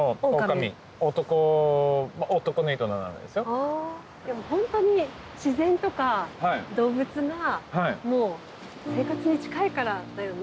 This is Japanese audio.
あでも本当に自然とか動物がもう生活に近いからだよね。